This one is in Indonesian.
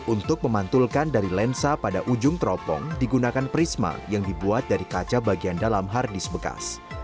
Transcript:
untuk memantulkan dari lensa pada ujung teropong digunakan prisma yang dibuat dari kaca bagian dalam hard disk bekas